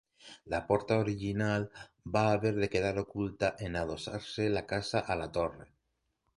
La porta original va haver de quedar oculta en adossar-se la casa a la torre.